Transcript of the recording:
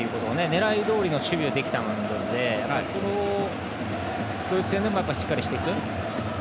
狙いどおりの守備ができたのでそれをドイツ戦でもしっかりやっていく。